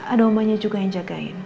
ada omanya juga yang jagain